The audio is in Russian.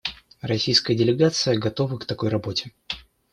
Российская делегация готова к такой работе.